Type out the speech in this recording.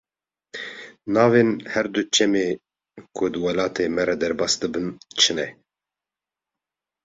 Navên her du çemê ku di welatê me re derbas dibin çi ne?